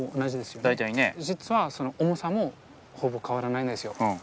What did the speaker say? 実はその重さもほぼ変わらないんですよ。